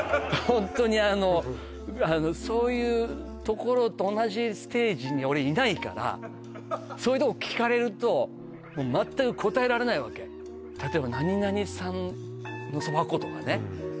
ホントにあのそういうところと同じステージに俺いないからそういうとこ聞かれるともう全く答えられないわけ例えば何々産の蕎麦粉とかね